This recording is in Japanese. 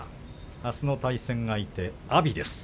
あすの対戦相手、阿炎です。